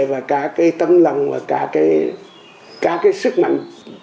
và cả cái tâm lòng và cả cái sức mạnh